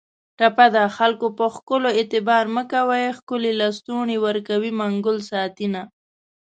ټپه ده: خکلو په ښکلو اعتبار مه کوی ښکلي لستوڼي ورکوي منګل ساتینه